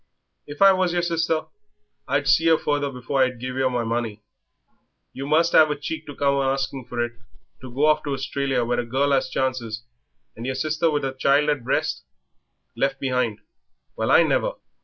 "If I was yer sister I'd see yer further before I'd give yer my money. You must 'ave a cheek to come a asking for it, to go off to Australia where a girl 'as chances, and yer sister with a child at the breast left behind. Well I never!"